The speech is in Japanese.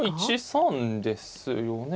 １三ですよね。